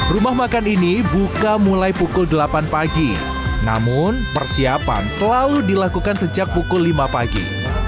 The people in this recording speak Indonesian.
rumah makan ini buka mulai pukul delapan pagi namun persiapan selalu dilakukan sejak pukul lima pagi